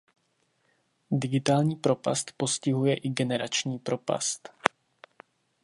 Digitální propast postihuje i generační propast.